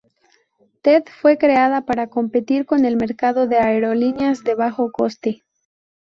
Ted fue creada para competir con el mercado de aerolíneas de bajo coste.